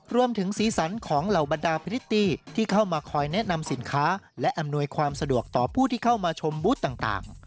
สีสันของเหล่าบรรดาพริตตี้ที่เข้ามาคอยแนะนำสินค้าและอำนวยความสะดวกต่อผู้ที่เข้ามาชมบูธต่าง